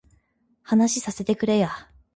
話させてくれや